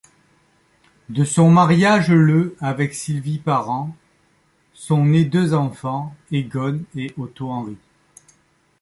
De son mariage le avec Sylvie Parent, sont nés deux enfants Egon et Otto-Henri.